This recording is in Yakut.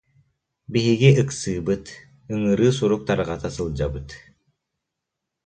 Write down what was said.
Биһиги ыксыыбыт, ыҥырыы сурук тарҕата сылдьабыт